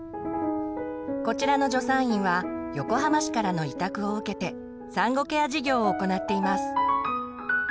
こちらの助産院は横浜市からの委託を受けて産後ケア事業を行っています。